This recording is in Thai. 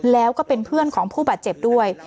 แล้วก็เป็นเพื่อนของผู้บาดเจ็บด้วย